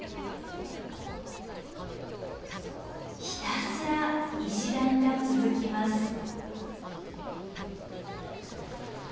ひたすら石段が続きます。